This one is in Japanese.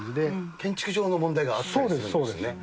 建築上の問題があったりするそうです、そうですね。